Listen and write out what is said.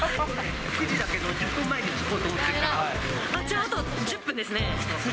９時だけど、１０分前に着こじゃああと１０分ですね。